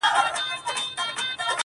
قدم کرار اخله زړه هم لکه ښيښه ماتېږي~